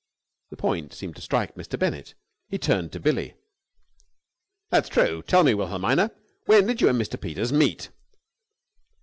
The point seemed to strike Mr. Bennett. He turned to Billie. "That's true. Tell me, Wilhelmina, when did you and Mr. Peters meet?"